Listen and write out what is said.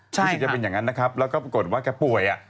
ใช่ค่ะพฤศจิกย์จะเป็นอย่างนั้นนะครับแล้วก็ปรากฏว่าแก่ป่วย